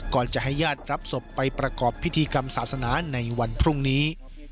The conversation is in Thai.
ก่อนจะให้ญาติรับศพไปประกอบพิธีกรรมศาสนาในวันพรุ่งนี้